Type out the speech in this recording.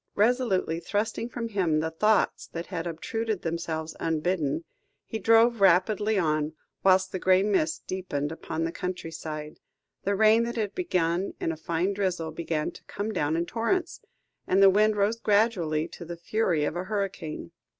Resolutely thrusting from him the thoughts that had obtruded themselves unbidden, he drove rapidly on, whilst the grey mists deepened upon the country side; the rain that had begun in a fine drizzle, began to come down in torrents, and the wind rose gradually to the fury of a hurricane.